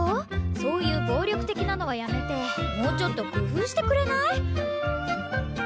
そういう暴力的なのはやめてもうちょっと工夫してくれない？